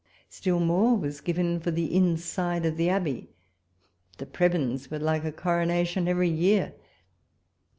Still more was given for the inside of the Abbey. The prebends would like a Coronation every year.